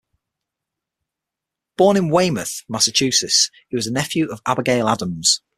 Born in Weymouth, Massachusetts, he was a nephew of Abigail Adams.